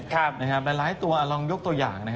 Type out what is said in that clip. หลายตัวลองยกตัวอย่าง